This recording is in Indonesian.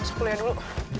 masuk kuliah dulu